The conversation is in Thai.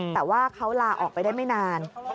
แต่ว่าเขาลาออกไปได้ไม่นาน